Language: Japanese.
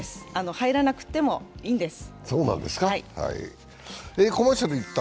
入らなくてもいいんです。